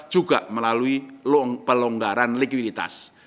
juga melalui pelonggaran likuiditas